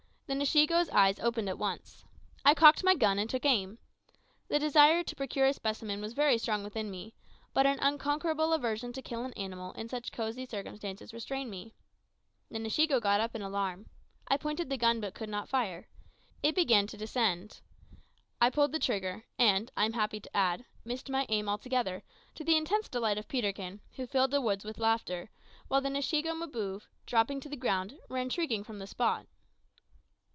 The Nshiego's eyes opened at once. I cocked my gun and took aim. The desire to procure a specimen was very strong within me, but an unconquerable aversion to kill an animal in such cozy circumstances restrained me. The Nshiego got up in alarm. I pointed the gun, but could not fire. It began to descend. I pulled the trigger, and, I am happy to add, missed my aim altogether, to the intense delight of Peterkin, who filled the woods with laughter, while the Nshiego Mbouve, dropping to the ground, ran shrieking from the spot.